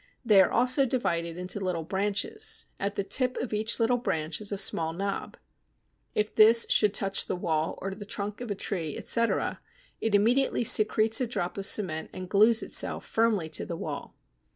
They are also divided into little branches. At the tip of each little branch is a small knob; if this should touch the wall or the trunk of a tree, etc., it immediately secretes a drop of cement and glues itself firmly to the wall.